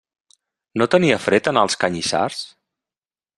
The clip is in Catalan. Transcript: No tenia fred en els canyissars?